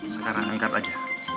sekarang angkat aja